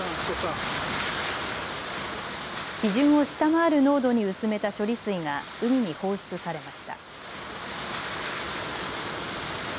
基準を下回る濃度に薄めた処理水が海に放出されました。